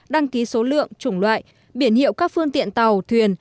đăng ký số lượng chủng loại biển hiệu các phương tiện tàu thuyền